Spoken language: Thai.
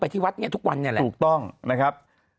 ที่วัดเนี่ยทุกวันเนี่ยแหละถูกต้องนะครับ